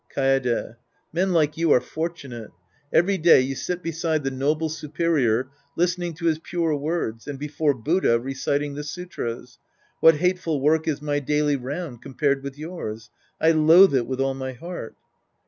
Kaede. Men like you are fortunate. Every day you sit beside the noble superior listening to his pure words and before Buddha reciting the sutras. What hateful work is my daily round compared with yours. I loathe it with all my heart.